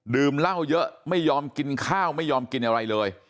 เหล้าเยอะไม่ยอมกินข้าวไม่ยอมกินอะไรเลย